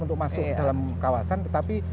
untuk masuk dalam kawasan tetapi